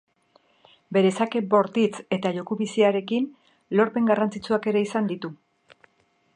Bere sake bortzi eta joku biziarekin lorpen garrantzitsuak ere izan ditu.